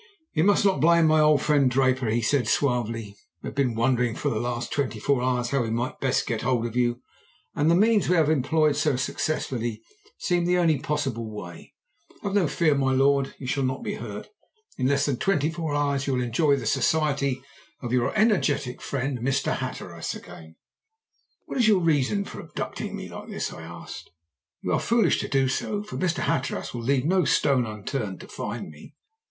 "'You must not blame my old friend Draper,' he said suavely. 'We have been wondering for the last twenty four hours how we might best get hold of you, and the means we have employed so successfully seemed the only possible way. Have no fear, my lord, you shall not be hurt. In less than twenty four hours you will enjoy the society of your energetic friend Mr. Hatteras again.' "'What is your reason for abducting me like this?' I asked. 'You are foolish to do so, for Mr. Hatteras will leave no stone unturned to find me.'